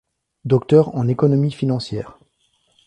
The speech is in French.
Docteur en économie financière.